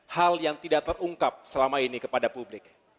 hal yang tidak terungkap selama ini kepada publik